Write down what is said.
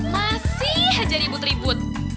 masih hajar ibu teribut